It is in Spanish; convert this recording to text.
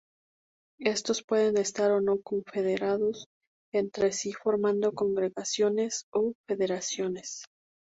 Estos pueden estar o no confederados entre sí, formando congregaciones o federaciones.